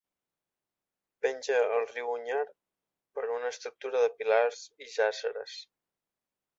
Penja al riu Onyar per una estructura de pilars i jàsseres.